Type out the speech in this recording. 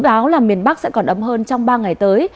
dự báo là miền bắc sẽ còn ấm hơn trong ba ngày tới